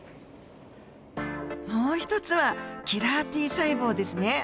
もう一つはキラーＴ細胞ですね。